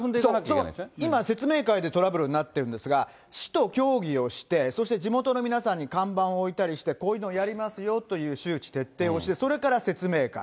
そう、今説明会でトラブルになってるんですが、市と協議をして、そして地元の皆さんに看板を置いたりして、こういうのをやりますよという周知徹底をして、それから説明会。